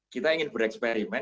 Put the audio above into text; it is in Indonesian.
kita ingin bereksperimen